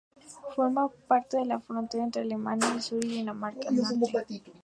Forma parte de la frontera entre Alemania al sur y Dinamarca al norte.